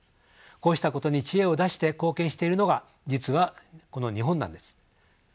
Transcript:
こうしたことに知恵を出して貢献しているのが実はこの日本なんです。